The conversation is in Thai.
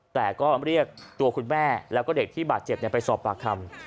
แต่ก็เรียกตัวคุณแม่แล้วก็เด็กที่บาดเจ็บไปสอบปากคำ